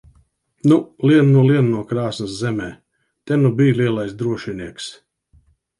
Nu, lien nu lien no krāsns zemē! Te nu bij lielais drošinieks!